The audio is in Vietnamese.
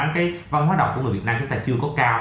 cái văn hóa đọc của người việt nam chúng ta chưa có cao